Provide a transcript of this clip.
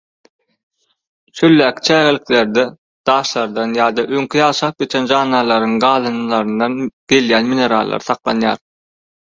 Çöldäki çägeliklerde daşlardan ýa-da öňki ýaşap geçen jandarlaryň galyndylaryndan gelýän minerallar saklanýar.